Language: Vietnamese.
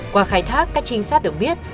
qua khai thác các trinh sát được biết